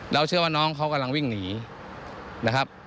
เชื่อว่าน้องเขากำลังวิ่งหนีนะครับ